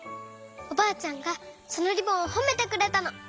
おばあちゃんがそのリボンをほめてくれたの。